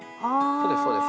そうですそうです。